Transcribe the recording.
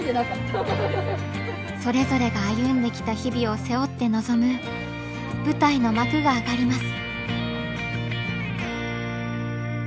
それぞれが歩んできた日々を背負って臨む舞台の幕が上がります。